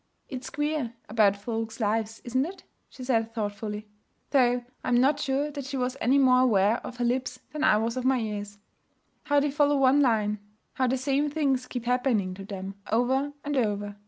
'It's queer about folks' lives isn't it?' she said thoughtfully though I am not sure that she was any more aware of her lips than I was of my ears. 'How they follow one line; how the same things keep happening to them, over and over.